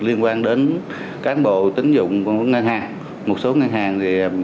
liên quan đến cán bộ tín dụng của một số ngân hàng